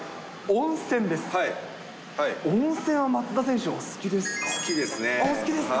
温泉は松田選手、お好きですか？